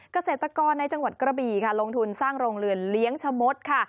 เกษตรกรในจังหวัดกระบี่ค่ะลงทุนสร้างโรงเรือนเลี้ยงชะมดค่ะ